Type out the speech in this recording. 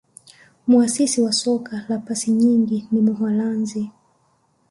muasisi wa soka la pasi nyingi ni muholanzi